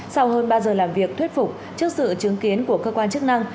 sau hơn ba giờ làm việc thuyết phục trước sự chứng kiến của cơ quan chức năng